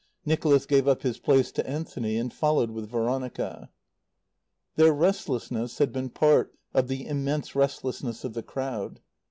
Nicholas gave up his place to Anthony and followed with Veronica. Their restlessness had been a part of the immense restlessness of the crowd.